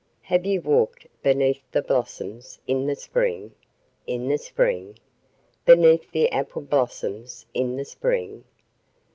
Have you walked beneath the blossoms in the spring? In the spring? Beneath the apple blossoms in the spring?